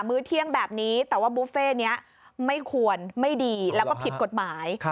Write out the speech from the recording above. ื้อเที่ยงแบบนี้แต่ว่าบุฟเฟ่นี้ไม่ควรไม่ดีแล้วก็ผิดกฎหมาย